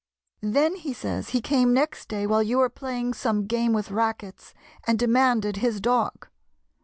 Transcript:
Then, he says, he came next day while you were playing some game with rackets, and demanded his dog.